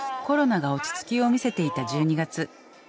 コロナが落ち着きを見せていた１２月。